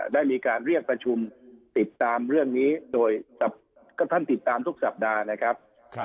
ได้มีการเรียกประชุมติดตามเรื่องนี้โดยท่านติดตามทุกสัปดาห์นะครับ